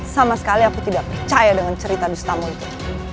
sama sekali aku tidak percaya dengan cerita dustamu itu